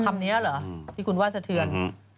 คำนี้เหรอที่คุณว่าสะเทือน